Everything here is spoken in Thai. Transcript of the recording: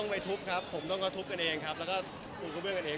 ไม่ทุบครับผมต้องก็ทุบกันเองครับแล้วก็คุมกันเบื่อกันเองใหม่